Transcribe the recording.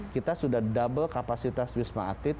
kita sudah double kapasitas wisma atlet